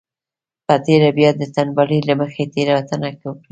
په تېره بيا د تنبلۍ له مخې تېروتنه وکړي.